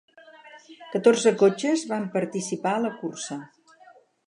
Catorze cotxes van participar a la cursa.